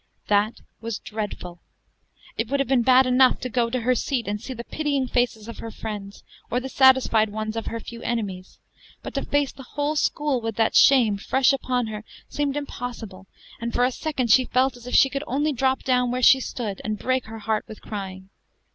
That was dreadful. It would have been bad enough to go to her seat and see the pitying faces of her friends, or the satisfied ones of her few enemies; but to face the whole school with that shame fresh upon her seemed impossible, and for a second she felt as if she could only drop down where she stood, and break her heart with crying.